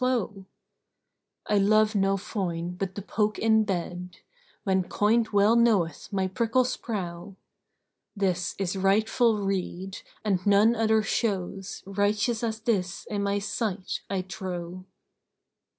I loveno foin but the poke in bed, * When coynte well knoweth my prickle's prow; This is rightful rede, and none other shows * Righteous as this in my sight, I trow."